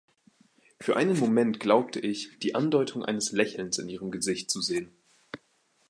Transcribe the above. Für einen Moment glaubte ich, die Andeutung eines Lächelns in ihrem Gesicht zu sehen.